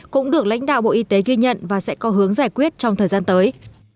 cũng được lãnh đạo bộ y tế ghi nhận và sẽ có hướng giải quyết trong thời gian tới